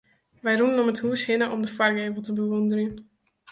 Wy rûnen om it hús hinne om de foargevel te bewûnderjen.